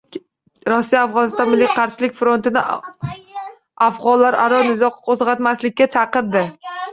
Rossiya Afg‘oniston Milliy qarshilik frontini afg‘onlararo nizo qo‘zg‘atmaslikka chaqirdi